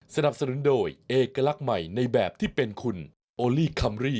สนับสนุนโดยเอกลักษณ์ใหม่ในแบบที่เป็นคุณโอลี่คัมรี่